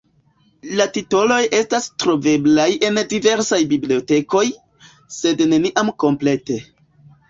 La titoloj estas troveblaj en diversaj bibliotekoj, sed neniam komplete.